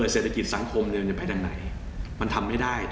เศรษฐกิจสังคมมันจะไปทางไหนมันทำไม่ได้